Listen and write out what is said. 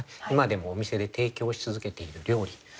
今でもお店で提供し続けている料理。